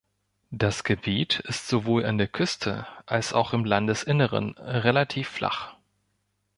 Das Gebiet ist sowohl an der Küste als auch im Landesinneren relativ flach.